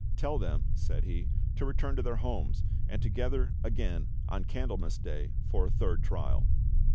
"Tell them," said he, "to return .to their homes and to gather again on Candlemas Day for a third trial."